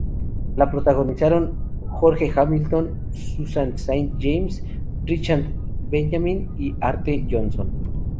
La protagonizaron George Hamilton, Susan Saint James, Richard Benjamin y Arte Johnson.